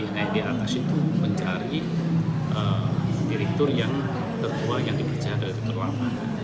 naik ke atas itu mencari direktur yang terkuat yang dipercaya dari terlalu lama